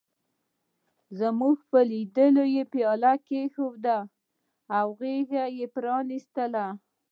زموږ په لیدو یې پياله کېښوده او غېږه یې پرانستله.